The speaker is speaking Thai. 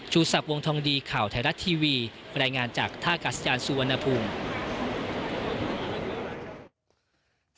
ชูสับวงทองดีข่าวไทยรัฐทีวีแปรงานจากท่ากัสยานสุวรรณภูมิ